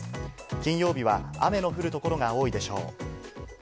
金曜日は雨の降る所が多いでしょう。